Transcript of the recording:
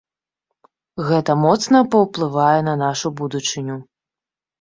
Гэта моцна паўплывае на нашу будучыню.